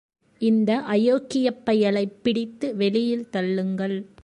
இந்த அயோக்கியப் பயலைப் பிடித்து வெளியில் தள்ளுங்கள்.